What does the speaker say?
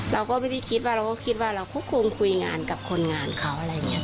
เราก็ไม่ได้คิดว่าเราก็คิดว่าเราก็คงคุยงานกับคนงานเขาอะไรอย่างนี้